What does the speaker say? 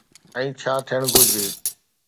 ۽ ڇا ٿيڻ گهرجي؟